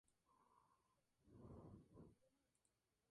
Se encuentra en Europa: desde España, en la región de Cataluña, hasta Francia.